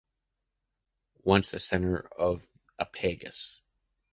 Once the center of a pagus.